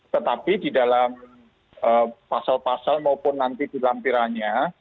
tetapi di dalam pasal pasal maupun nanti di lampirannya